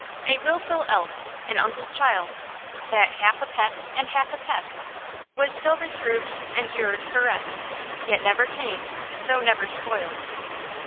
"A willful elf–an uncle's child, That half a pet and half a pest, Was still reproved, endured, caressed, Yet never tamed, though never spoiled."